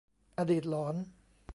อดีตหลอน